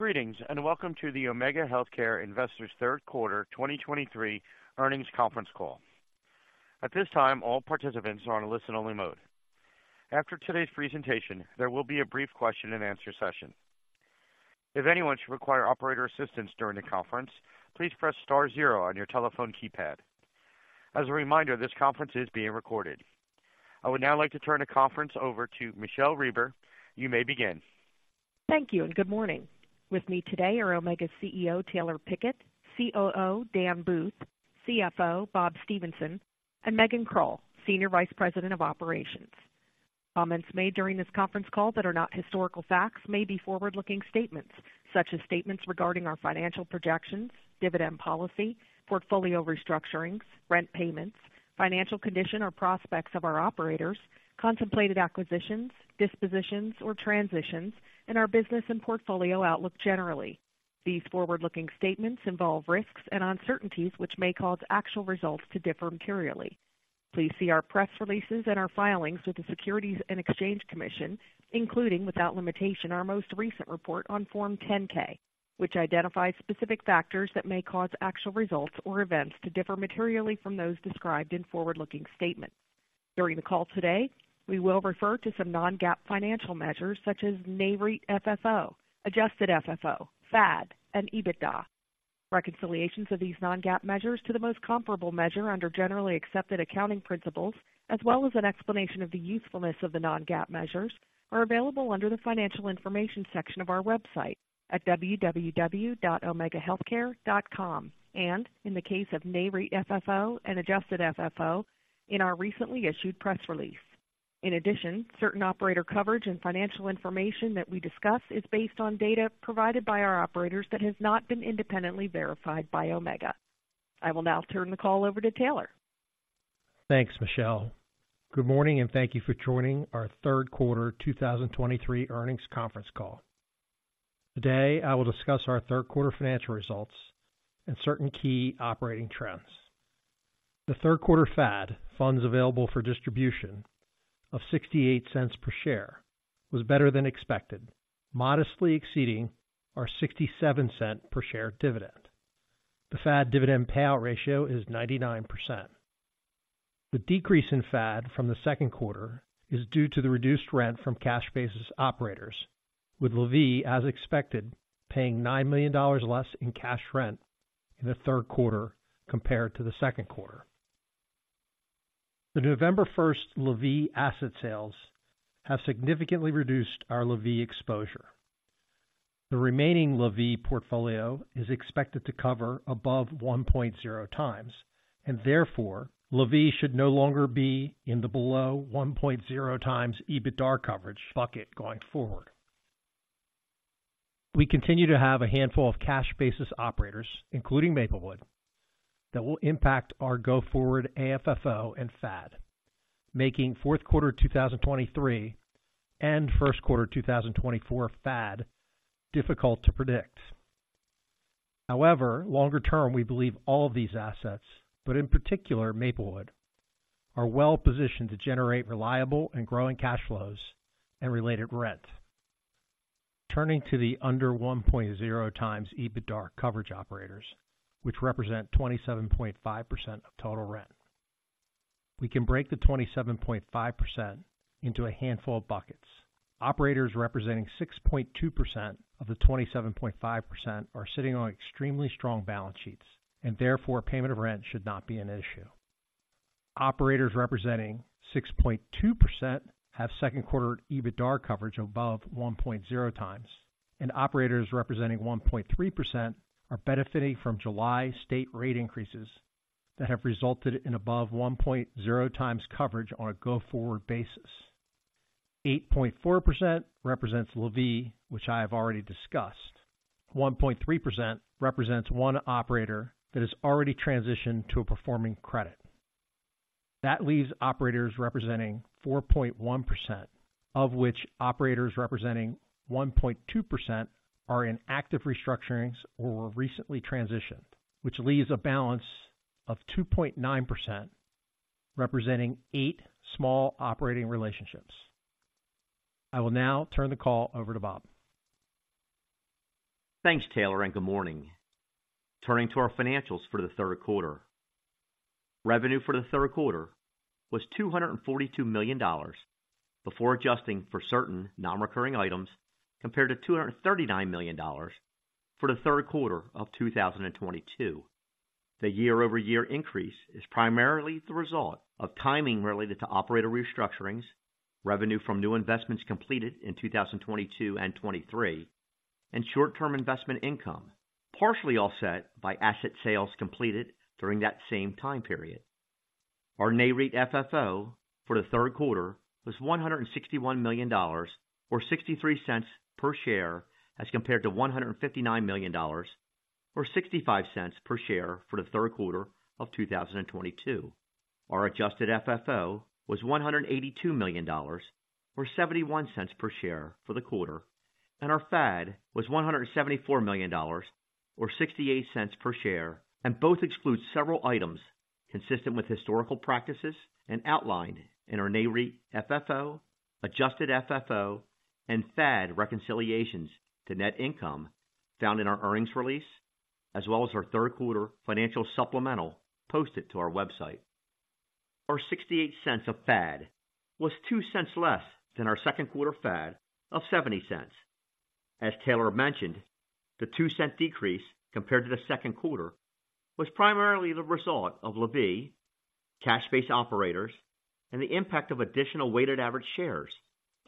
Greetings, and welcome to the Omega Healthcare Investors Third Quarter 2023 Earnings Conference Call. At this time, all participants are on a listen-only mode. After today's presentation, there will be a brief question-and-answer session. If anyone should require operator assistance during the conference, please press star zero on your telephone keypad. As a reminder, this conference is being recorded. I would now like to turn the conference over to Michele Reber. You may begin. Thank you, and good morning. With me today are Omega's CEO, Taylor Pickett, COO, Dan Booth, CFO, Bob Stephenson, and Megan Krull, Senior Vice President of Operations. Comments made during this conference call that are not historical facts may be forward-looking statements, such as statements regarding our financial projections, dividend policy, portfolio restructurings, rent payments, financial condition or prospects of our operators, contemplated acquisitions, dispositions, or transitions, and our business and portfolio outlook generally. These forward-looking statements involve risks and uncertainties which may cause actual results to differ materially. Please see our press releases and our filings with the Securities and Exchange Commission, including, without limitation, our most recent report on Form 10-K, which identifies specific factors that may cause actual results or events to differ materially from those described in forward-looking statements. During the call today, we will refer to some non-GAAP financial measures such as NAREIT FFO, adjusted FFO, FAD, and EBITDA. Reconciliations of these non-GAAP measures to the most comparable measure under generally accepted accounting principles, as well as an explanation of the usefulness of the non-GAAP measures, are available under the Financial Information section of our website at www.omegahealthcare.com and in the case of NAREIT FFO and adjusted FFO in our recently issued press release. In addition, certain operator coverage and financial information that we discuss is based on data provided by our operators that has not been independently verified by Omega. I will now turn the call over to Taylor. Thanks, Michele. Good morning, and thank you for joining our third quarter 2023 earnings conference call. Today, I will discuss our third quarter financial results and certain key operating trends. The third quarter FAD, Funds Available for Distribution, of $0.68 per share was better than expected, modestly exceeding our $0.67 per share dividend. The FAD dividend payout ratio is 99%. The decrease in FAD from the second quarter is due to the reduced rent from cash basis operators, with La Vie, as expected, paying $9 million less in cash rent in the third quarter compared to the second quarter. The November 1 La Vie asset sales have significantly reduced our La Vie exposure. The remaining La Vie portfolio is expected to cover above 1.0x, and therefore, La Vie should no longer be in the below 1.0x EBITDA coverage bucket going forward. We continue to have a handful of cash basis operators, including Maplewood, that will impact our go-forward AFFO and FAD, making fourth quarter 2023 and first quarter 2024 FAD difficult to predict. However, longer term, we believe all of these assets, but in particular Maplewood, are well positioned to generate reliable and growing cash flows and related rent. Turning to the under 1.0x EBITDA coverage operators, which represent 27.5% of total rent, we can break the 27.5% into a handful of buckets. Operators representing 6.2% of the 27.5% are sitting on extremely strong balance sheets, and therefore, payment of rent should not be an issue. Operators representing 6.2% have second quarter EBITDA coverage above 1.0x, and operators representing 1.3% are benefiting from July state rate increases that have resulted in above 1.0x coverage on a go-forward basis. 8.4% represents La Vie, which I have already discussed. 1.3% represents 1 operator that has already transitioned to a performing credit. That leaves operators representing 4.1%, of which operators representing 1.2% are in active restructurings or were recently transitioned, which leaves a balance of 2.9%, representing 8 small operating relationships. I will now turn the call over to Bob. Thanks, Taylor, and good morning. Turning to our financials for the third quarter. Revenue for the third quarter was $242 million before adjusting for certain non-recurring items compared to $239 million for the third quarter of 2022. The year-over-year increase is primarily the result of timing related to operator restructurings, revenue from new investments completed in 2022 and 2023, and short-term investment income, partially offset by asset sales completed during that same time period. Our NAREIT FFO for the third quarter was $161 million, or $0.63 per share, as compared to $159 million or $0.65 per share for the third quarter of 2022. Our adjusted FFO was $182 million, or 71 cents per share for the quarter, and our FAD was $174 million or 68 cents per share, and both exclude several items consistent with historical practices and outlined in our NAREIT FFO, adjusted FFO, and FAD reconciliations to net income found in our earnings release, as well as our third quarter financial supplemental posted to our website. Our 68 cents of FAD was 2 cents less than our second quarter FAD of 70 cents. As Taylor mentioned, the 2-cent decrease compared to the second quarter was primarily the result of La Vie, cash-based operators, and the impact of additional weighted average shares,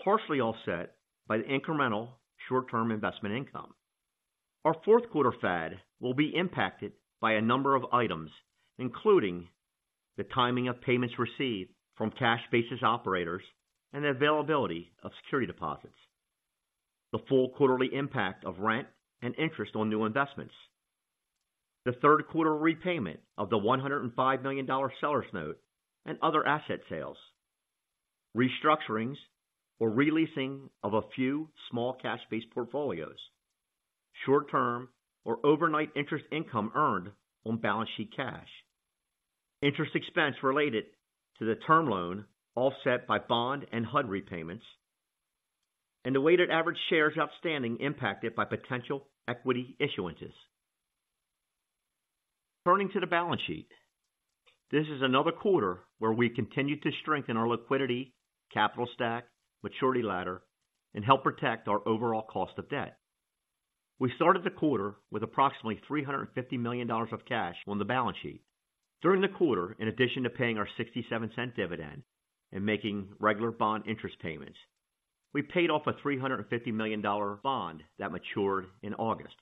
partially offset by the incremental short-term investment income. Our fourth quarter FAD will be impacted by a number of items, including the timing of payments received from cash-basis operators and the availability of security deposits, the full quarterly impact of rent and interest on new investments, the third quarter repayment of the $105 million seller's note and other asset sales, restructurings or re-leasing of a few small cash-based portfolios, short-term or overnight interest income earned on balance sheet cash, interest expense related to the term loan, offset by bond and HUD repayments, and the weighted average shares outstanding impacted by potential equity issuances. Turning to the balance sheet. This is another quarter where we continued to strengthen our liquidity, capital stack, maturity ladder, and help protect our overall cost of debt. We started the quarter with approximately $350 million of cash on the balance sheet. During the quarter, in addition to paying our $0.67 dividend and making regular bond interest payments, we paid off a $350 million bond that matured in August.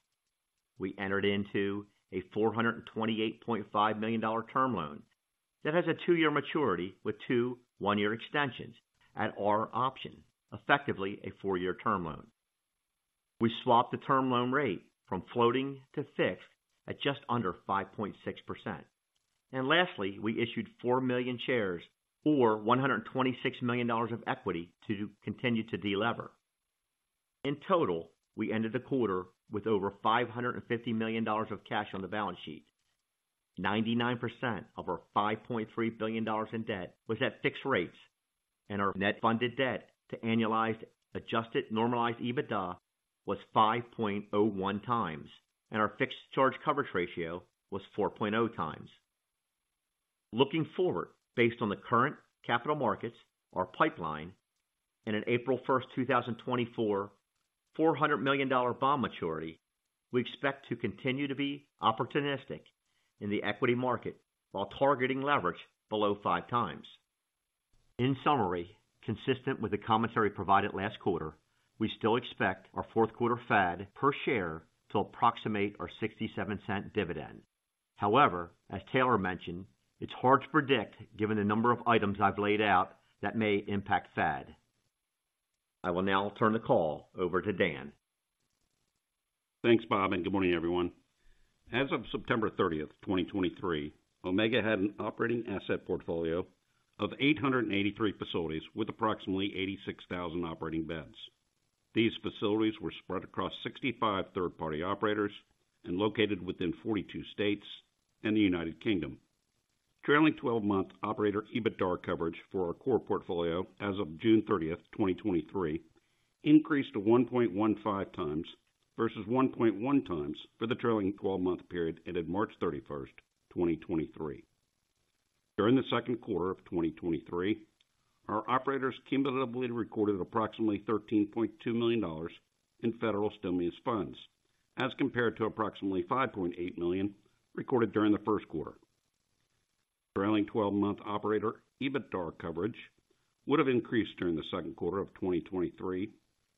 We entered into a $428.5 million term loan that has a two-year maturity with two one-year extensions at our option, effectively a 4-year term loan. We swapped the term loan rate from floating to fixed at just under 5.6%. Lastly, we issued 4 million shares or $126 million of equity to continue to delever. In total, we ended the quarter with over $550 million of cash on the balance sheet. 99% of our $5.3 billion in debt was at fixed rates, and our net funded debt to annualized adjusted normalized EBITDA was 5.01 times, and our fixed charge coverage ratio was 4.0 times. Looking forward, based on the current capital markets, our pipeline, and in April 1st, 2024, $400 million bond maturity, we expect to continue to be opportunistic in the equity market while targeting leverage below 5 times. In summary, consistent with the commentary provided last quarter, we still expect our fourth quarter FAD per share to approximate our $0.67 dividend. However, as Taylor mentioned, it's hard to predict given the number of items I've laid out that may impact FAD. I will now turn the call over to Dan. Thanks, Bob, and good morning, everyone. As of September 30, 2023, Omega had an operating asset portfolio of 883 facilities with approximately 86,000 operating beds. These facilities were spread across 65 third-party operators and located within 42 states and the United Kingdom. Trailing twelve-month operator EBITDA coverage for our core portfolio as of June 30, 2023, increased to 1.15x versus 1.1x for the trailing twelve-month period ended March 31, 2023. During the second quarter of 2023, our operators cumulatively recorded approximately $13.2 million in federal stimulus funds, as compared to approximately $5.8 million recorded during the first quarter. Trailing twelve-month operator EBITDA coverage would have increased during the second quarter of 2023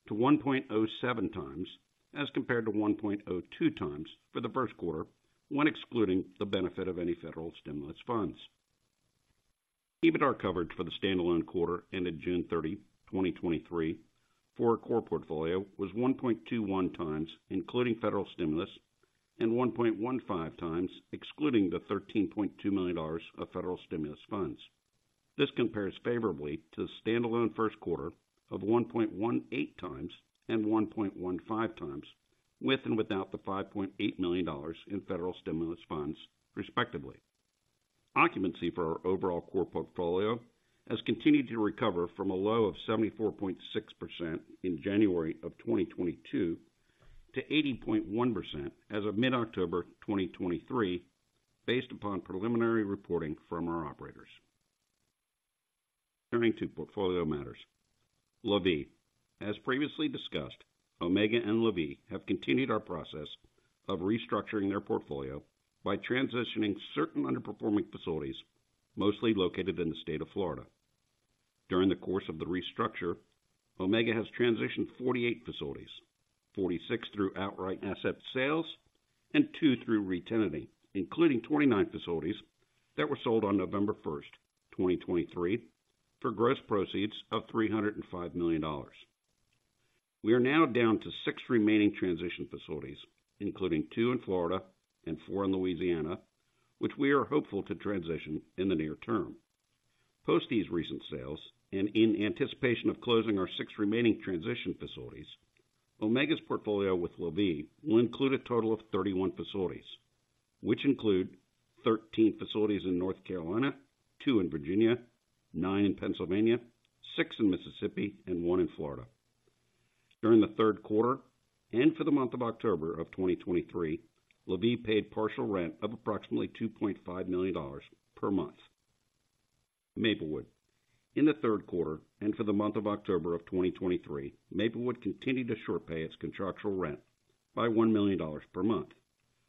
to 1.07 times, as compared to 1.02 times for the first quarter, when excluding the benefit of any federal stimulus funds. EBITDA coverage for the standalone quarter ended June 30, 2023 for our core portfolio was 1.21 times, including federal stimulus, and 1.15 times excluding the $13.2 million of federal stimulus funds. This compares favorably to the standalone first quarter of 1.18 times and 1.15 times, with and without the $5.8 million in federal stimulus funds, respectively. Occupancy for our overall core portfolio has continued to recover from a low of 74.6% in January 2022 to 80.1% as of mid-October 2023, based upon preliminary reporting from our operators. Turning to portfolio matters. La Vie. As previously discussed, Omega and La Vie have continued our process of restructuring their portfolio by transitioning certain underperforming facilities, mostly located in the state of Florida. During the course of the restructure, Omega has transitioned 48 facilities, 46 through outright asset sales, and two through re-tenanting, including 29 facilities that were sold on November 1, 2023, for gross proceeds of $305 million. We are now down to six remaining transition facilities, including two in Florida and four in Louisiana, which we are hopeful to transition in the near term. Post these recent sales, and in anticipation of closing our 6 remaining transition facilities, Omega's portfolio with La Vie will include a total of 31 facilities, which include 13 facilities in North Carolina, two in Virginia, nine in Pennsylvania, six in Mississippi, and one in Florida. During the third quarter, and for the month of October 2023, La Vie paid partial rent of approximately $2.5 million per month. Maplewood. In the third quarter, and for the month of October 2023, Maplewood continued to short pay its contractual rent by $1 million per month.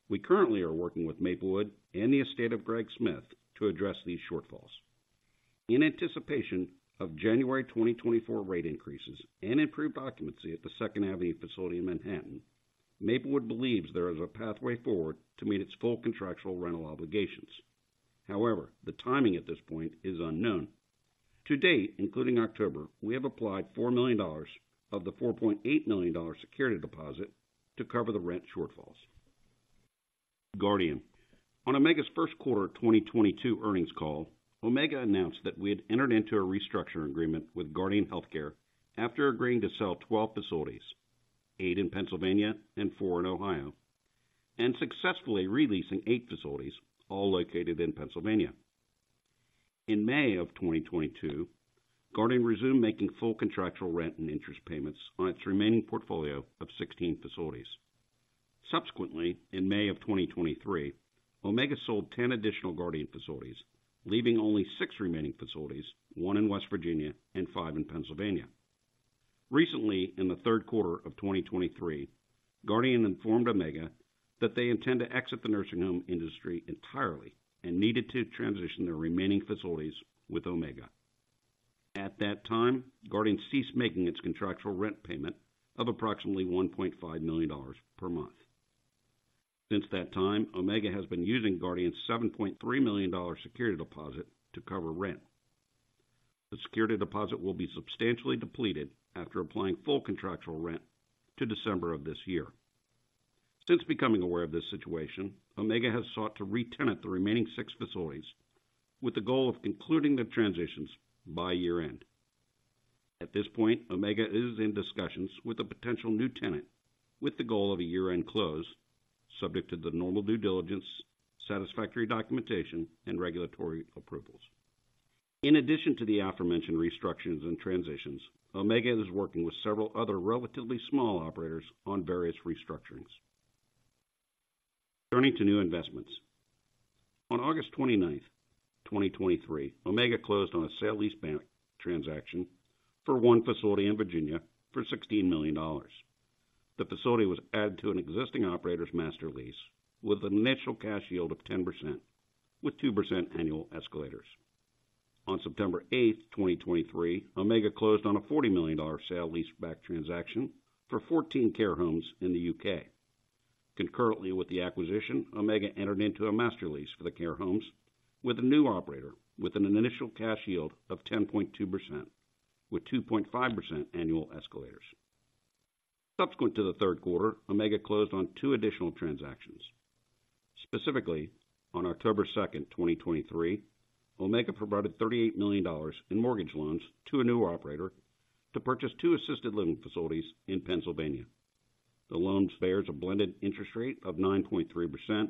We currently are working with Maplewood and the estate of Greg Smith to address these shortfalls. In anticipation of January 2024 rate increases and improved occupancy at the Second Avenue facility in Manhattan, Maplewood believes there is a pathway forward to meet its full contractual rental obligations. However, the timing at this point is unknown. To date, including October, we have applied $4 million of the $4.8 million security deposit to cover the rent shortfalls. Guardian. On Omega's Q1 2022 earnings call, Omega announced that we had entered into a restructuring agreement with Guardian Healthcare after agreeing to sell 12 facilities, eight in Pennsylvania and four in Ohio, and successfully re-leasing eight facilities, all located in Pennsylvania. In May 2022, Guardian resumed making full contractual rent and interest payments on its remaining portfolio of 16 facilities. Subsequently, in May 2023, Omega sold 10 additional Guardian facilities, leaving only six remaining facilities, one in West Virginia and five in Pennsylvania. Recently, in the third quarter of 2023, Guardian informed Omega that they intend to exit the nursing home industry entirely and needed to transition their remaining facilities with Omega. At that time, Guardian ceased making its contractual rent payment of approximately $1.5 million per month. Since that time, Omega has been using Guardian's $7.3 million security deposit to cover rent. The security deposit will be substantially depleted after applying full contractual rent to December of this year. Since becoming aware of this situation, Omega has sought to retenant the remaining 6 facilities with the goal of concluding the transitions by year-end. At this point, Omega is in discussions with a potential new tenant with the goal of a year-end close, subject to the normal due diligence, satisfactory documentation, and regulatory approvals. In addition to the aforementioned restructurings and transitions, Omega is working with several other relatively small operators on various restructurings. Turning to new investments. On August 29, 2023, Omega closed on a sale-leaseback transaction for one facility in Virginia for $16 million. The facility was added to an existing operator's master lease with an initial cash yield of 10%, with 2% annual escalators. On September 8, 2023, Omega closed on a $40 million sale-leaseback transaction for 14 care homes in the U.K. Concurrently with the acquisition, Omega entered into a master lease for the care homes with a new operator, with an initial cash yield of 10.2%, with 2.5% annual escalators. Subsequent to the third quarter, Omega closed on two additional transactions. Specifically, on October 2, 2023, Omega provided $38 million in mortgage loans to a new operator to purchase two assisted living facilities in Pennsylvania. The loans bear a blended interest rate of 9.3%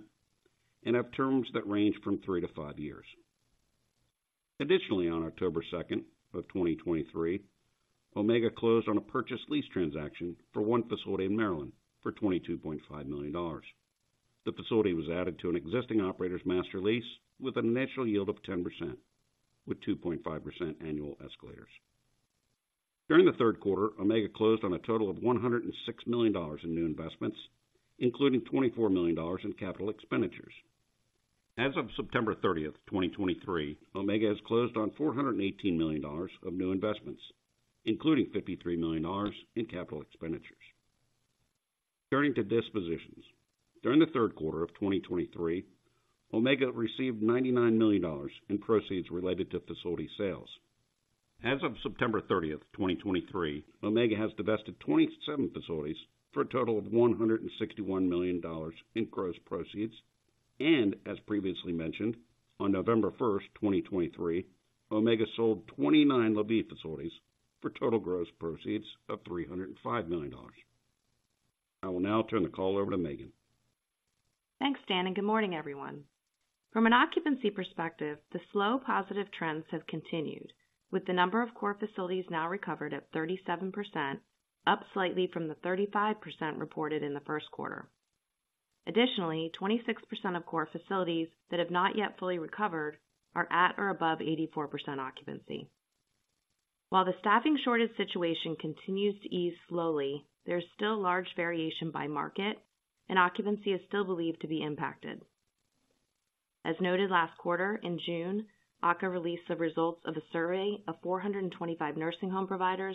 and have terms that range from 3-5 years. Additionally, on October 2, 2023, Omega closed on a purchase lease transaction for one facility in Maryland for $22.5 million. The facility was added to an existing operator's master lease with an initial yield of 10%, with 2.5% annual escalators. During the third quarter, Omega closed on a total of $106 million in new investments, including $24 million in capital expenditures. As of September 30, 2023, Omega has closed on $418 million of new investments, including $53 million in capital expenditures. Turning to dispositions. During the third quarter of 2023, Omega received $99 million in proceeds related to facility sales. As of September 30, 2023, Omega has divested 27 facilities for a total of $161 million in gross proceeds, and as previously mentioned, on November 1, 2023, Omega sold 29 La Vie facilities for total gross proceeds of $305 million. I will now turn the call over to Megan. Thanks, Dan, and good morning, everyone. From an occupancy perspective, the slow positive trends have continued, with the number of core facilities now recovered at 37%, up slightly from the 35% reported in the first quarter. Additionally, 26% of core facilities that have not yet fully recovered are at or above 84% occupancy. While the staffing shortage situation continues to ease slowly, there is still large variation by market and occupancy is still believed to be impacted. As noted last quarter, in June, AHCA released the results of a survey of 425 nursing home providers,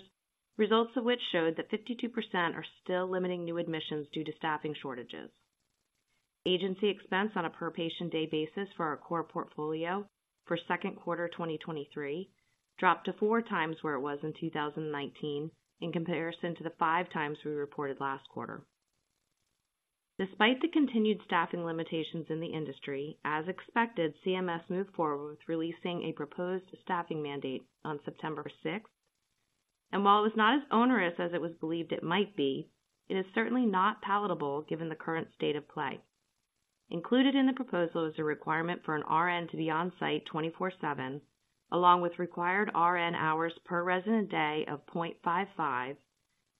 results of which showed that 52% are still limiting new admissions due to staffing shortages. Agency expense on a per patient day basis for our core portfolio for second quarter 2023 dropped to 4 times where it was in 2019, in comparison to the 5 times we reported last quarter. Despite the continued staffing limitations in the industry, as expected, CMS moved forward with releasing a proposed staffing mandate on September 6. While it was not as onerous as it was believed it might be, it is certainly not palatable given the current state of play. Included in the proposal is a requirement for an RN to be on site 24/7, along with required RN hours per resident day of 0.55,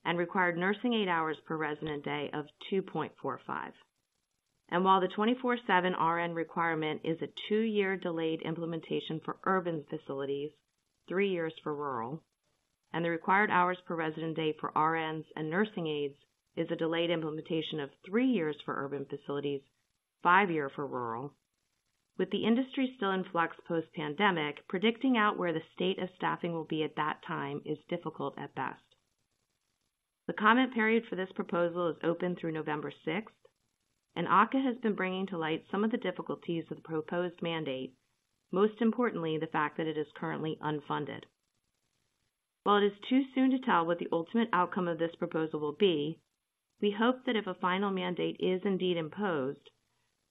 and required nursing aid hours per resident day of 2.45. And while the 24/7 RN requirement is a two-year delayed implementation for urban facilities, three years for rural, and the required hours per resident day for RNs and nursing aides is a delayed implementation of three years for urban facilities, five-year for rural. With the industry still in flux post-pandemic, predicting out where the state of staffing will be at that time is difficult at best. The comment period for this proposal is open through November sixth, and AHCA has been bringing to light some of the difficulties of the proposed mandate, most importantly, the fact that it is currently unfunded. While it is too soon to tell what the ultimate outcome of this proposal will be, we hope that if a final mandate is indeed imposed,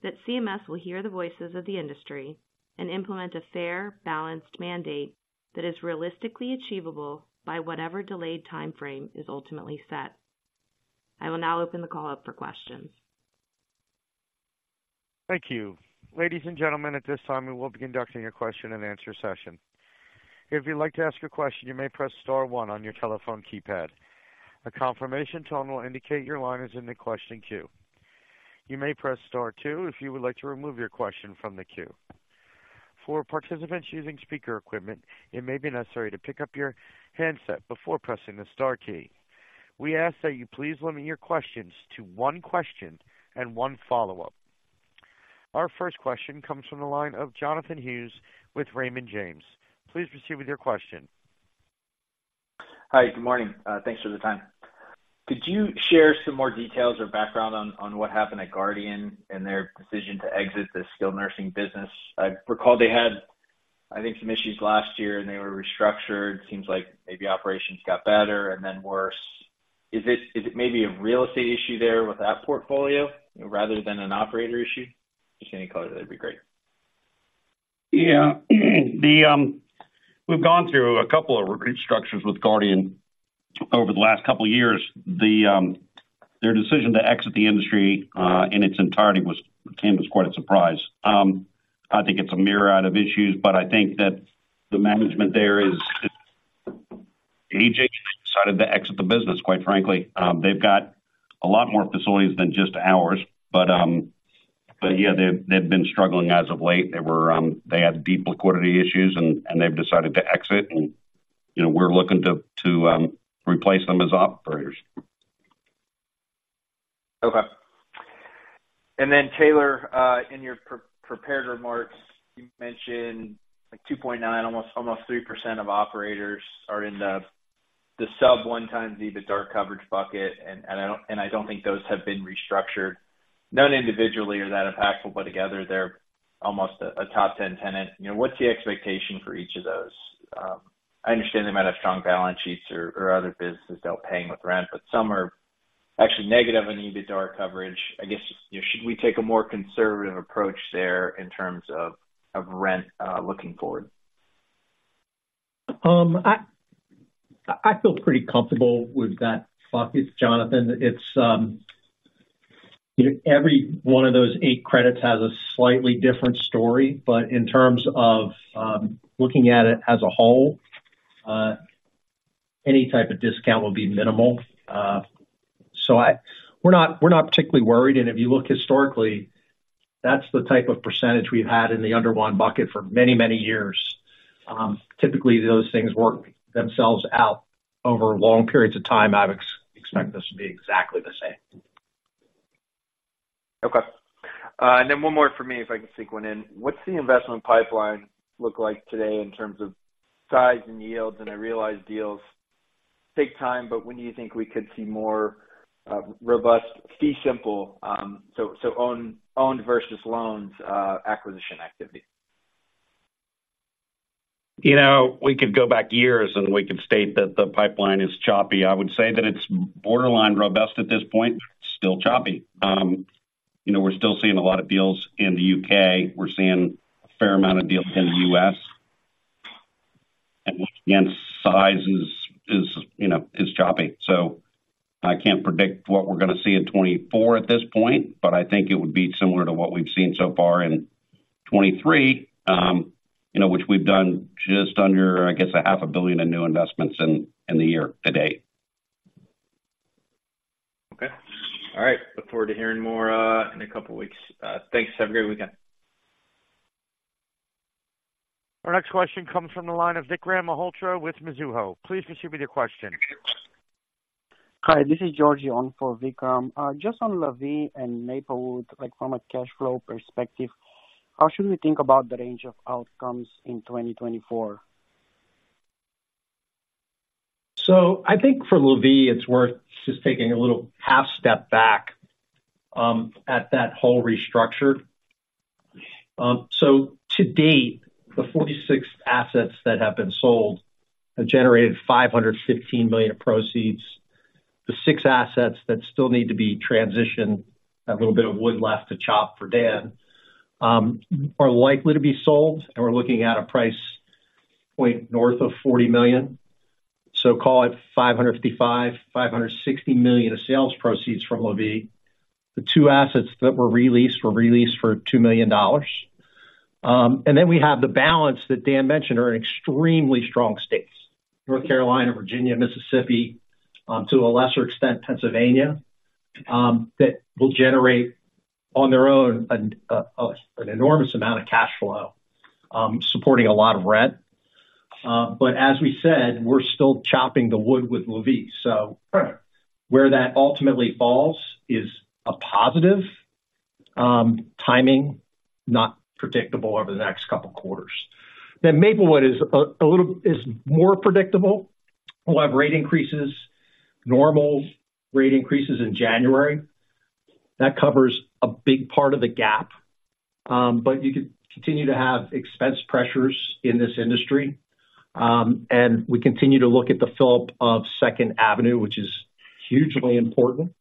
that CMS will hear the voices of the industry and implement a fair, balanced mandate that is realistically achievable by whatever delayed timeframe is ultimately set. I will now open the call up for questions. Thank you. Ladies and gentlemen, at this time, we will be conducting a question-and-answer session. If you'd like to ask a question, you may press star one on your telephone keypad. A confirmation tone will indicate your line is in the question queue. You may press star two if you would like to remove your question from the queue. For participants using speaker equipment, it may be necessary to pick up your handset before pressing the star key. We ask that you please limit your questions to one question and one follow-up. Our first question comes from the line of Jonathan Hughes with Raymond James. Please proceed with your question. Hi, good morning. Thanks for the time. Could you share some more details or background on what happened at Guardian and their decision to exit the skilled nursing business? I recall they had, I think, some issues last year, and they were restructured. It seems like maybe operations got better and then worse. Is it maybe a real estate issue there with that portfolio rather than an operator issue? Just any color, that'd be great. Yeah. We've gone through a couple of restructures with Guardian over the last couple of years. Their decision to exit the industry in its entirety came as quite a surprise. I think it's a myriad of issues, but I think that the management there is decided to exit the business, quite frankly. They've got a lot more facilities than just ours, but yeah, they've been struggling as of late. They had deep liquidity issues and they've decided to exit and, you know, we're looking to replace them as operators. Okay. Taylor, in your pre-prepared remarks, you mentioned, like, 2.9, almost, almost 3% of operators are in the, the sub 1x EBITDA coverage bucket, and, and I don't, and I don't think those have been restructured. None individually are that impactful, but together, they're almost a top 10 tenant. You know, what's the expectation for each of those? I understand they might have strong balance sheets or, or other businesses they'll paying with rent, but some are actually negative on EBITDA coverage. I guess, you know, should we take a more conservative approach there in terms of, of rent looking forward? I feel pretty comfortable with that bucket, Jonathan. It's, you know, every one of those eight credits has a slightly different story, but in terms of looking at it as a whole, any type of discount will be minimal. So we're not, we're not particularly worried, and if you look historically, that's the type of percentage we've had in the under one bucket for many, many years. Typically, those things work themselves out over long periods of time. I'd expect this to be exactly the same. Okay. And then one more for me, if I can sneak one in: What's the investment pipeline look like today in terms of size and yields? And I realize deals take time, but when do you think we could see more robust fee simple owned versus loans acquisition activity? You know, we could go back years, and we could state that the pipeline is choppy. I would say that it's borderline robust at this point, still choppy. You know, we're still seeing a lot of deals in the UK. We're seeing a fair amount of deals in the US. And once again, size is, you know, is choppy. So I can't predict what we're going to see in 2024 at this point, but I think it would be similar to what we've seen so far in 2023, you know, which we've done just under, I guess, $500 million in new investments in the year to date. Okay. All right. Look forward to hearing more, in a couple of weeks. Thanks. Have a great weekend. Our next question comes from the line of Vikram Malhotra with Mizuho. Please distribute your question. Hi, this is George on for Vikram. Just on La Vie and Maplewood, like from a cash flow perspective, how should we think about the range of outcomes in 2024? So I think for La Vie, it's worth just taking a little half step back at that whole restructure. So to date, the 46 assets that have been sold have generated $515 million proceeds. The six assets that still need to be transitioned, a little bit of wood left to chop for Dan, are likely to be sold, and we're looking at a price point north of $40 million. So call it $555 million-$560 million of sales proceeds from La Vie. The two assets that were re-leased were re-leased for $2 million. And then we have the balance that Dan mentioned, are in extremely strong states, North Carolina, Virginia, Mississippi, to a lesser extent, Pennsylvania, that will generate, on their own, an enormous amount of cash flow, supporting a lot of rent. But as we said, we're still chopping the wood with La Vie. So where that ultimately falls is a positive timing, not predictable over the next couple of quarters. Then Maplewood is a little more predictable. We'll have rate increases, normal rate increases in January. That covers a big part of the gap, but you could continue to have expense pressures in this industry. And we continue to look at the fill-up of Second Avenue, which is hugely important,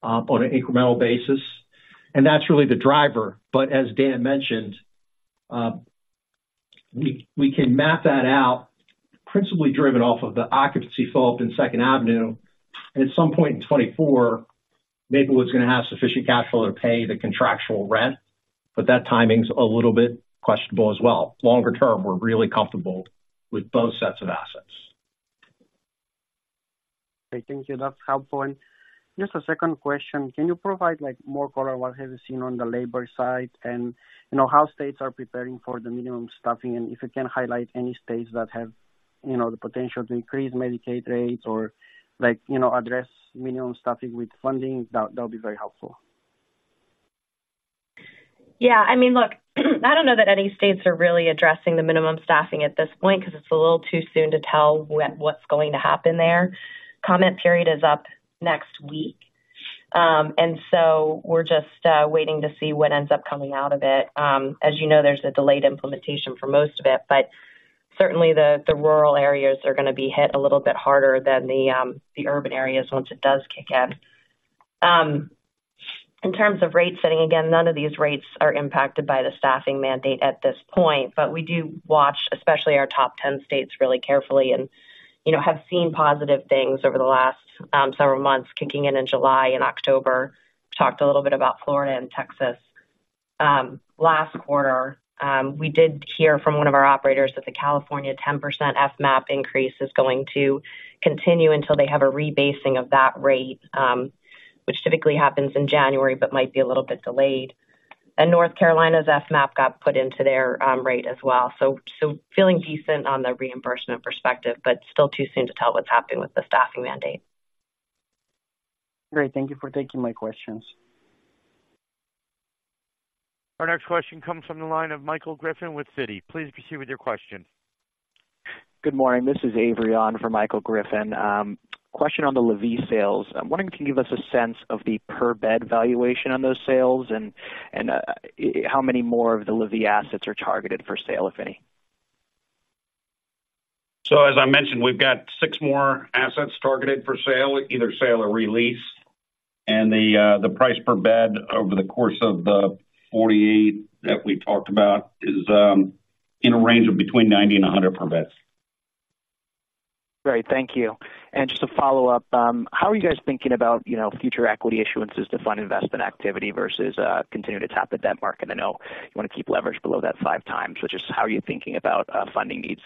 on an incremental basis, and that's really the driver. But as Dan mentioned, we can map that out, principally driven off of the occupancy fill-up in Second Avenue. At some point in 2024, Maplewood is going to have sufficient cash flow to pay the contractual rent, but that timing's a little bit questionable as well. Longer term, we're really comfortable with both sets of assets. Okay, thank you. That's helpful. And just a second question, can you provide, like, more color on what have you seen on the labor side and, you know, how states are preparing for the minimum staffing? And if you can highlight any states that have, you know, the potential to increase Medicaid rates or like, you know, address minimum staffing with funding, that, that'll be very helpful. Yeah, I mean, look, I don't know that any states are really addressing the minimum staffing at this point because it's a little too soon to tell what, what's going to happen there. Comment period is up next week. So we're just waiting to see what ends up coming out of it. As you know, there's a delayed implementation for most of it, but certainly the rural areas are going to be hit a little bit harder than the urban areas once it does kick in. In terms of rate setting, again, none of these rates are impacted by the staffing mandate at this point, but we do watch, especially our top 10 states, really carefully and, you know, have seen positive things over the last several months, kicking in in July and October. Talked a little bit about Florida and Texas. Last quarter, we did hear from one of our operators that the California 10% FMAP increase is going to continue until they have a rebasing of that rate, which typically happens in January, but might be a little bit delayed. North Carolina's FMAP got put into their rate as well. So, feeling decent on the reimbursement perspective, but still too soon to tell what's happening with the staffing mandate. Great. Thank you for taking my questions. Our next question comes from the line of Michael Griffin with Citi. Please proceed with your question. Good morning. This is Avery on for Michael Griffin. Question on the La Vie sales. I'm wondering if you can give us a sense of the per bed valuation on those sales and how many more of the La Vie assets are targeted for sale, if any? So, as I mentioned, we've got six more assets targeted for sale, either sale or re-lease, and the, the price per bed over the course of the 48 that we talked about is in a range of between $90 and $100 per bed. Great, thank you. And just to follow up, how are you guys thinking about, you know, future equity issuances to fund investment activity versus, continuing to tap the debt market? I know you want to keep leverage below that 5x, so just how are you thinking about, funding needs,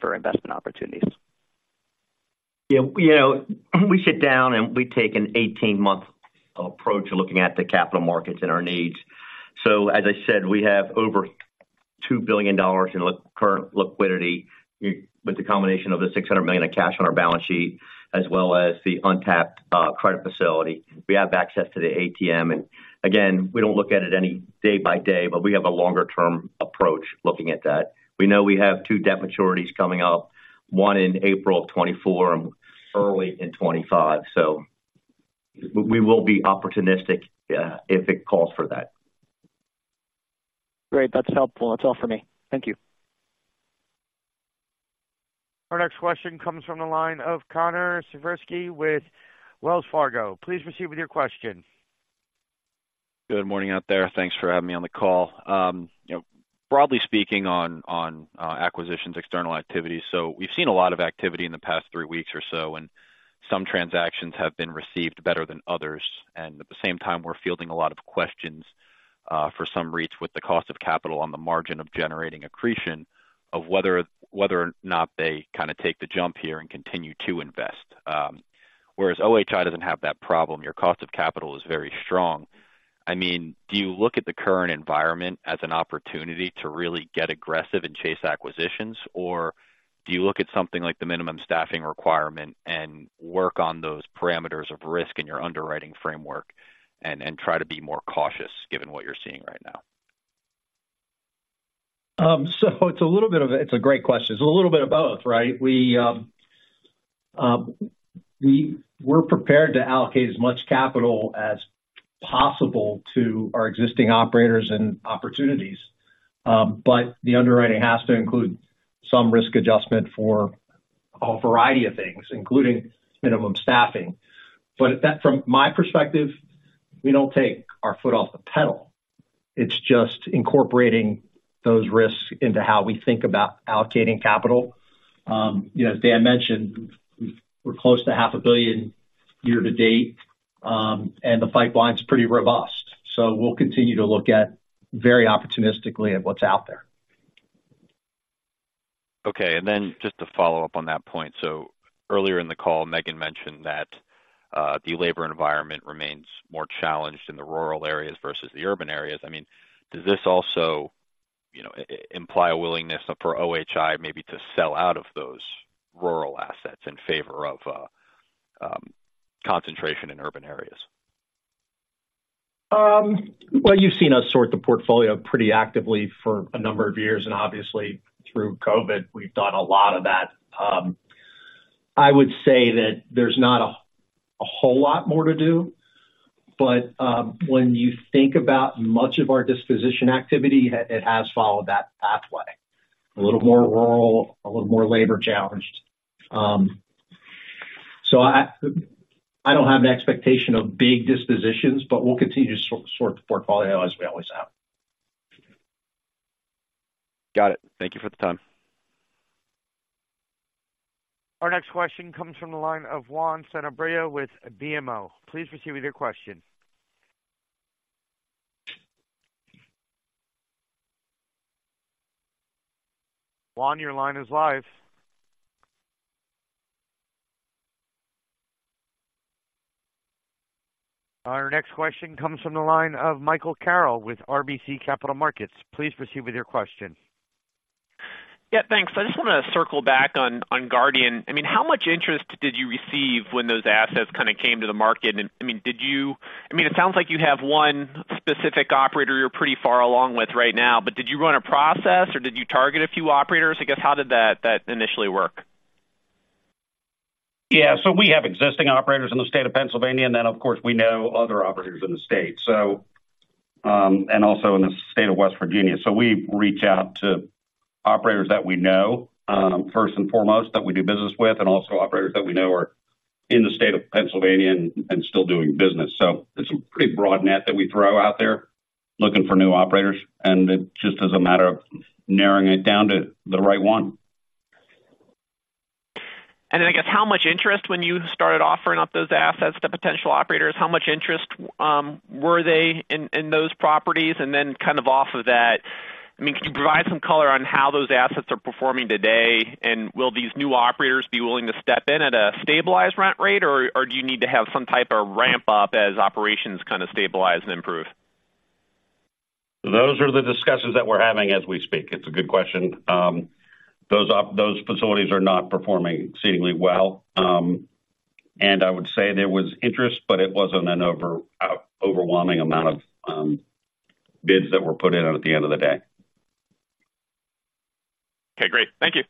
for investment opportunities? Yeah, you know, we sit down and we take an 18-month approach to looking at the capital markets and our needs. So as I said, we have over $2 billion in current liquidity, with the combination of the $600 million of cash on our balance sheet, as well as the untapped credit facility. We have access to the ATM, and again, we don't look at it any day by day, but we have a longer-term approach looking at that. We know we have two debt maturities coming up, one in April of 2024 and early in 2025. So we will be opportunistic, if it calls for that. Great. That's helpful. That's all for me. Thank you. Our next question comes from the line of Connor Siversky with Wells Fargo. Please proceed with your question. Good morning out there. Thanks for having me on the call. You know, broadly speaking, acquisitions, external activities, so we've seen a lot of activity in the past three weeks or so, and some transactions have been received better than others. At the same time, we're fielding a lot of questions for some REITs with the cost of capital on the margin of generating accretion whether or not they kind of take the jump here and continue to invest. Whereas OHI doesn't have that problem, your cost of capital is very strong. I mean, do you look at the current environment as an opportunity to really get aggressive and chase acquisitions? Or do you look at something like the minimum staffing requirement and work on those parameters of risk in your underwriting framework and try to be more cautious given what you're seeing right now? So it's a little bit of a—it's a great question. It's a little bit of both, right? We're prepared to allocate as much capital as possible to our existing operators and opportunities. But the underwriting has to include some risk adjustment for a variety of things, including minimum staffing. But that, from my perspective, we don't take our foot off the pedal. It's just incorporating those risks into how we think about allocating capital. You know, as Dan mentioned, we're close to $500 million year to date, and the pipeline's pretty robust, so we'll continue to look at very opportunistically at what's out there. Okay. And then just to follow up on that point, so earlier in the call, Megan mentioned that, the labor environment remains more challenged in the rural areas versus the urban areas. I mean, does this also, you know, imply a willingness for OHI maybe to sell out of those rural assets in favor of, concentration in urban areas? Well, you've seen us sort the portfolio pretty actively for a number of years, and obviously through COVID, we've done a lot of that. I would say that there's not a whole lot more to do, but when you think about much of our disposition activity, it has followed that pathway, a little more rural, a little more labor challenged. So I don't have an expectation of big dispositions, but we'll continue to sort the portfolio as we always have. Got it. Thank you for the time. Our next question comes from the line of Juan Sanabria with BMO. Please proceed with your question. Juan, your line is live. Our next question comes from the line of Michael Carroll with RBC Capital Markets. Please proceed with your question. Yeah, thanks. I just want to circle back on, on Guardian. I mean, how much interest did you receive when those assets kind of came to the market? And, I mean, did you-- I mean, it sounds like you have one specific operator you're pretty far along with right now, but did you run a process or did you target a few operators? I guess, how did that, that initially work? Yeah, so we have existing operators in the state of Pennsylvania, and then, of course, we know other operators in the state. So, and also in the state of West Virginia. So we reach out to operators that we know, first and foremost, that we do business with, and also operators that we know are in the state of Pennsylvania and still doing business. So it's a pretty broad net that we throw out there, looking for new operators, and it's just as a matter of narrowing it down to the right one. And then, I guess, how much interest when you started offering up those assets to potential operators, how much interest were they in those properties? And then kind of off of that, I mean, could you provide some color on how those assets are performing today? And will these new operators be willing to step in at a stabilized rent rate, or do you need to have some type of ramp up as operations kind of stabilize and improve? Those are the discussions that we're having as we speak. It's a good question. Those facilities are not performing exceedingly well. And I would say there was interest, but it wasn't an overwhelming amount of bids that were put in at the end of the day. Okay, great. Thank you.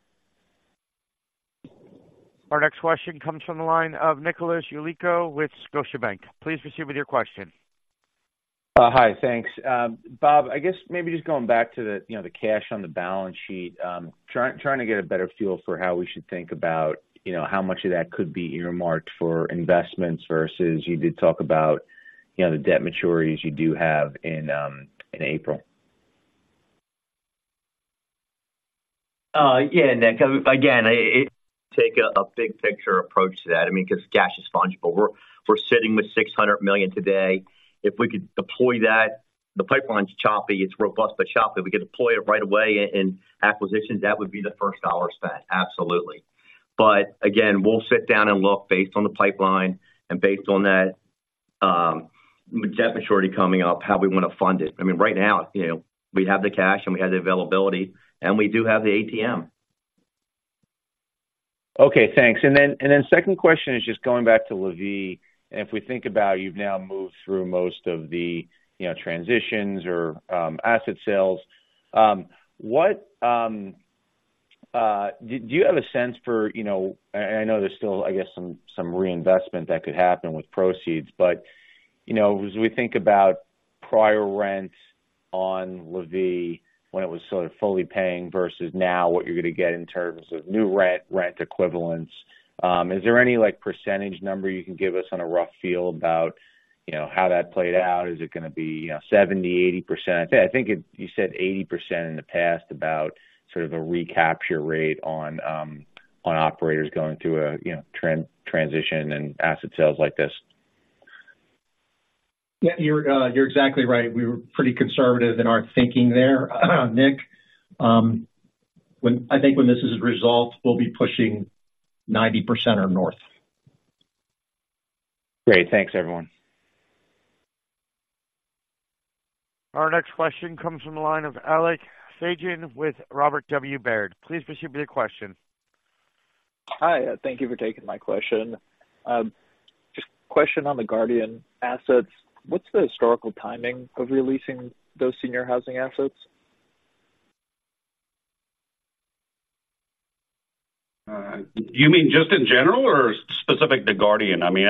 Our next question comes from the line of Nicholas Yulico with Scotiabank. Please proceed with your question. Hi. Thanks. Bob, I guess maybe just going back to the, you know, the cash on the balance sheet, trying to get a better feel for how we should think about, you know, how much of that could be earmarked for investments versus you did talk about, you know, the debt maturities you do have in April. Yeah, Nick, again, it take a big picture approach to that, I mean, because cash is fungible. We're sitting with $600 million today. If we could deploy that, the pipeline's choppy, it's robust but choppy. If we could deploy it right away in acquisitions, that would be the first dollar spent, absolutely. But again, we'll sit down and look based on the pipeline and based on that, debt maturity coming up, how we want to fund it. I mean, right now, you know, we have the cash, and we have the availability, and we do have the ATM. Okay, thanks. And then second question is just going back to La Vie. And if we think about you've now moved through most of the, you know, transitions or asset sales, do you have a sense for, you know, and I know there's still, I guess, some reinvestment that could happen with proceeds, but, you know, as we think about prior rent on La Vie when it was sort of fully paying versus now, what you're going to get in terms of new rent, rent equivalents, is there any, like, percentage number you can give us on a rough feel about, you know, how that played out? Is it going to be, you know, 70, 80%? I think it, you said 80% in the past about sort of a recapture rate on, on operators going through a, you know, transition and asset sales like this. Yeah, you're exactly right. We were pretty conservative in our thinking there, Nick. I think when this is resolved, we'll be pushing 90% or north. Great. Thanks, everyone. Our next question comes from the line of Alec Saajan with Robert W. Baird. Please proceed with your question. Hi, thank you for taking my question. Just question on the Guardian assets. What's the historical timing of releasing those senior housing assets? Do you mean just in general or specific to Guardian? I mean,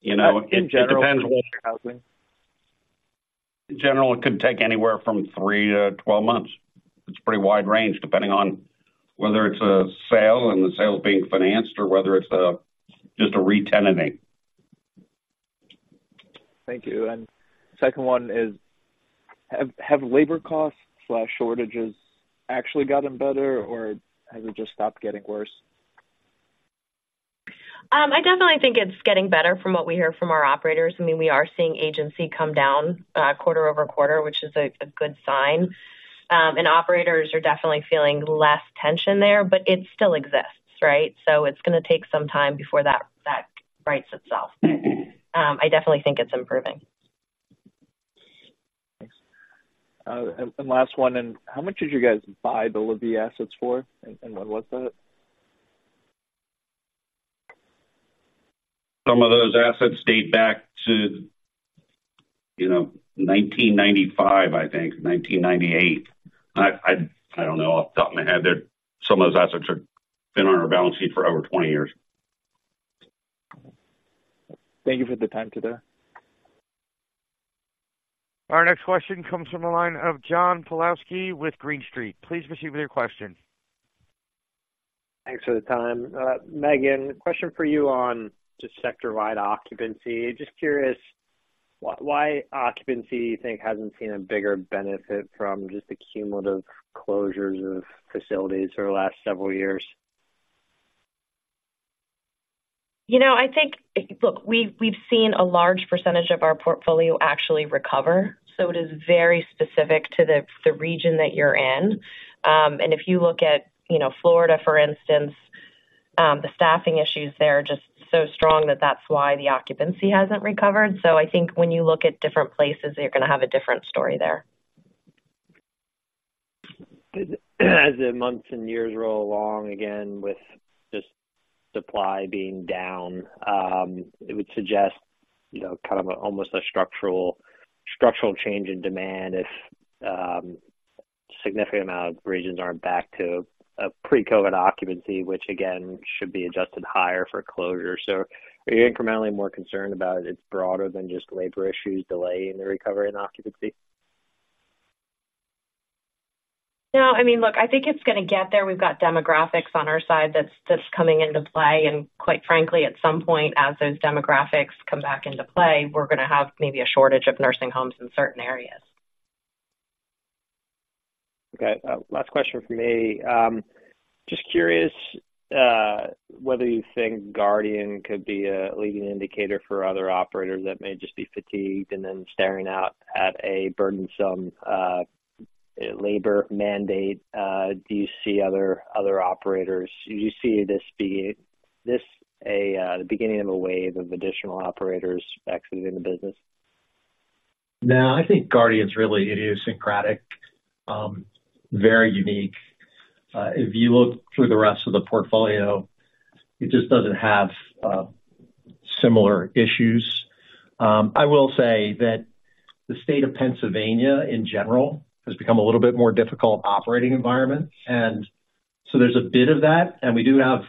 you know, it depends. In general, senior housing. In general, it could take anywhere from three to 12 months. It's a pretty wide range, depending on whether it's a sale and the sale is being financed or whether it's a, just a re-tenanting. Thank you. And second one is, have labor costs/shortages actually gotten better, or has it just stopped getting worse? I definitely think it's getting better from what we hear from our operators. I mean, we are seeing agency come down quarter-over-quarter, which is a good sign. And operators are definitely feeling less tension there, but it still exists, right? So it's gonna take some time before that rights itself. I definitely think it's improving. Thanks. And last one, and how much did you guys buy the La Vie assets for, and when was that? Some of those assets date back to, you know, 1995, I think, 1998. I don't know, off the top of my head there, some of those assets are, been on our balance sheet for over 20 years. Thank you for the time today. Our next question comes from the line of John Pawlowski with Green Street. Please proceed with your question. Thanks for the time. Megan, question for you on just sector-wide occupancy. Just curious, why occupancy, you think, hasn't seen a bigger benefit from just the cumulative closures of facilities over the last several years? You know, I think. Look, we've seen a large percentage of our portfolio actually recover, so it is very specific to the region that you're in. And if you look at, you know, Florida, for instance, the staffing issues there are just so strong that that's why the occupancy hasn't recovered. So I think when you look at different places, you're gonna have a different story there. As the months and years roll along, again, with just supply being down, it would suggest, you know, kind of almost a structural, structural change in demand if significant amount of regions aren't back to a pre-COVID occupancy, which again, should be adjusted higher for closure. So are you incrementally more concerned about it's broader than just labor issues delaying the recovery in occupancy? No, I mean, look, I think it's gonna get there. We've got demographics on our side that's coming into play, and quite frankly, at some point, as those demographics come back into play, we're gonna have maybe a shortage of nursing homes in certain areas. Okay, last question from me. Just curious, whether you think Guardian could be a leading indicator for other operators that may just be fatigued and then staring out at a burdensome, labor mandate. Do you see other, other operators? Do you see this being, this a, the beginning of a wave of additional operators exiting the business? No, I think Guardian's really idiosyncratic, very unique. If you look through the rest of the portfolio, it just doesn't have similar issues. I will say that the state of Pennsylvania, in general, has become a little bit more difficult operating environment, and so there's a bit of that, and we do have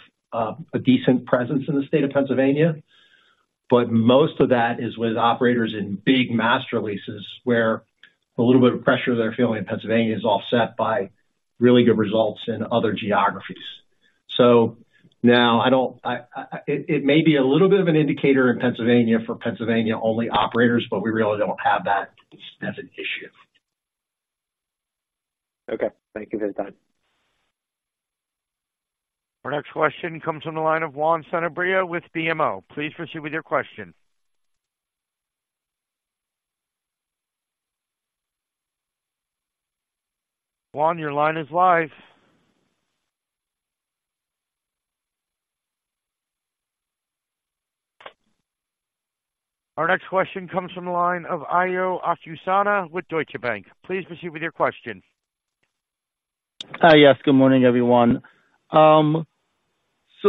a decent presence in the state of Pennsylvania. But most of that is with operators in big master leases, where a little bit of pressure they're feeling in Pennsylvania is offset by really good results in other geographies. So now, I don't, I, it may be a little bit of an indicator in Pennsylvania for Pennsylvania-only operators, but we really don't have that as an issue. Okay. Thank you for your time. Our next question comes from the line of Juan Sanabria with BMO. Please proceed with your question. Juan, your line is live. Our next question comes from the line of Omotayo Okusanya with Deutsche Bank. Please proceed with your question. Hi, yes, good morning, everyone. So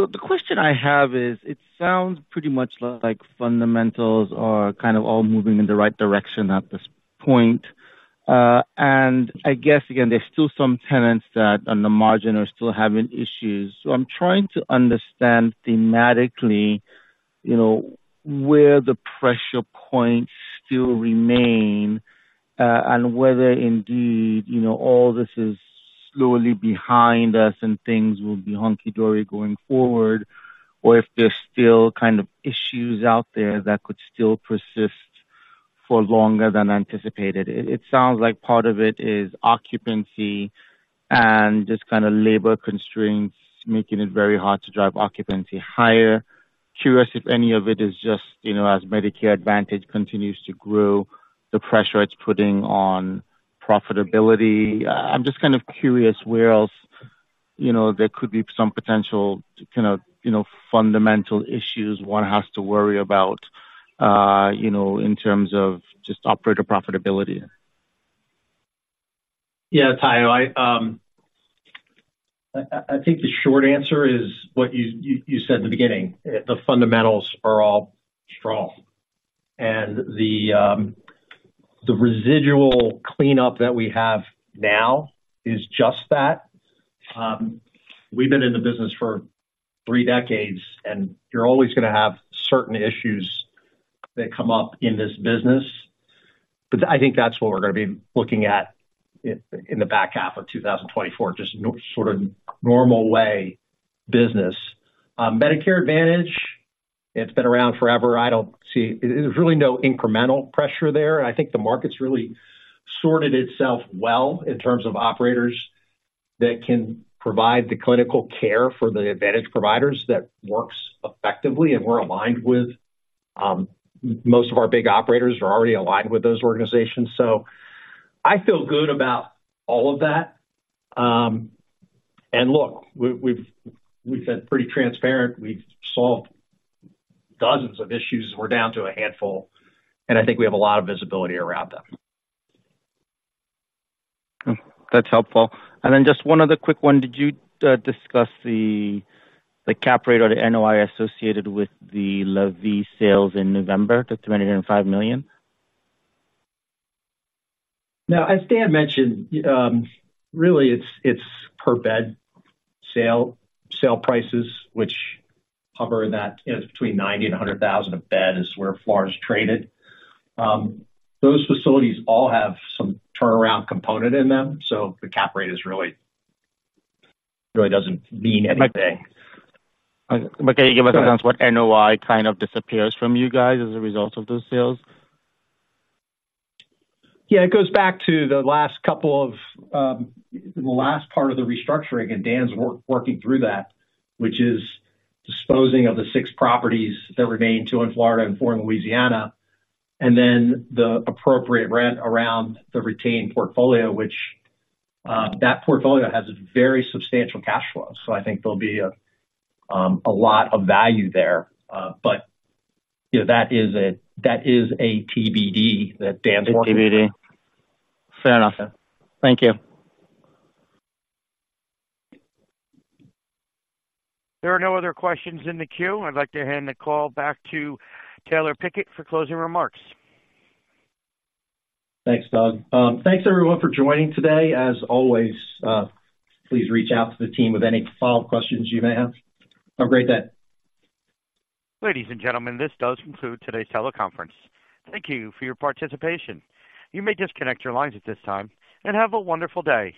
the question I have is, it sounds pretty much like fundamentals are kind of all moving in the right direction at this point. And I guess, again, there's still some tenants that on the margin are still having issues. So I'm trying to understand thematically, you know, where the pressure points still remain, and whether indeed, you know, all this is slowly behind us and things will be hunky dory going forward, or if there's still kind of issues out there that could still persist for longer than anticipated. It sounds like part of it is occupancy and just kind of labor constraints, making it very hard to drive occupancy higher. Curious if any of it is just, you know, as Medicare Advantage continues to grow, the pressure it's putting on profitability. I'm just kind of curious where else, you know, there could be some potential kind of, you know, fundamental issues one has to worry about, you know, in terms of just operator profitability? Yeah, Taylor, I think the short answer is what you said in the beginning. The fundamentals are all strong, and the residual cleanup that we have now is just that. We've been in the business for three decades, and you're always gonna have certain issues that come up in this business. But I think that's what we're gonna be looking at in the back half of 2024, just sort of normal way business. Medicare Advantage, it's been around forever. I don't see... There's really no incremental pressure there. I think the market's really sorted itself well in terms of operators that can provide the clinical care for the advantage providers that works effectively, and we're aligned with most of our big operators are already aligned with those organizations. So I feel good about all of that. And look, we've been pretty transparent. We've solved dozens of issues. We're down to a handful, and I think we have a lot of visibility around them. Hmm, that's helpful. Then just one other quick one. Did you discuss the cap rate or the NOI associated with the La Vie sales in November, the $205 million? Now, as Dan mentioned, really it's, it's per bed sale, sale prices, which hover in that between $90,000 and $100,000 a bed, is where Florida's traded. Those facilities all have some turnaround component in them, so the cap rate is really, really doesn't mean anything. But can you give us a sense what NOI kind of disappears from you guys as a result of those sales? Yeah, it goes back to the last couple of, the last part of the restructuring, and Dan's working through that, which is disposing of the 6 properties that remain, 2 in Florida and 4 in Louisiana, and then the appropriate rent around the retained portfolio, which, that portfolio has very substantial cash flow. So I think there'll be a, a lot of value there. But, you know, that is a, that is a TBD, that Dan's working- TBD. Fair enough. Thank you. There are no other questions in the queue. I'd like to hand the call back to Taylor Pickett for closing remarks. Thanks, Doug. Thanks everyone for joining today. As always, please reach out to the team with any follow-up questions you may have. Have a great day. Ladies and gentlemen, this does conclude today's teleconference. Thank you for your participation. You may disconnect your lines at this time, and have a wonderful day.